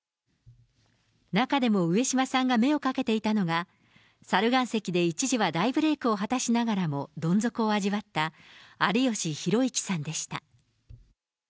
中でも上島さんが目をかけていたのが、猿岩石で一時は大ブレークを果たしながらも、どん底を味わった有吉弘行さんでした。